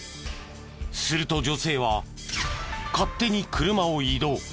すると女性は勝手に車を移動。